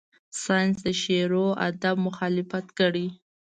ساینس د شعر و ادب مخالفت کړی.